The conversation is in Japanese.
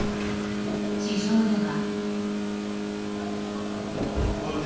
地上では。